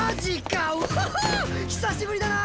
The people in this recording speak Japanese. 久しぶりだな！